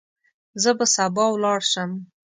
زه به سبا ولاړ شم.